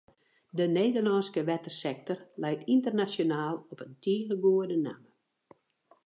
De Nederlânske wettersektor leit ynternasjonaal op in tige goede namme.